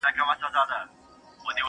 په افسانو کي به یادیږي ونه!!..